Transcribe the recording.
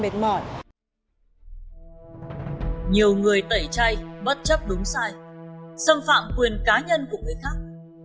nhiều người tẩy chay bất chấp đúng sai xâm phạm quyền cá nhân của người khác